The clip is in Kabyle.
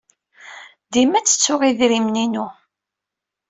Dima ttettuɣ idrimen-inu.